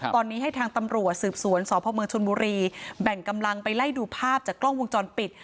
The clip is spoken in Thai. ตอนนี้ให้ทางตำรวจสืบสวนสพเมืองชนบุรีแบ่งกำลังไปไล่ดูภาพจากกล้องวงจรปิด